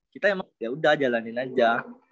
kita emang yaudah jalanin aja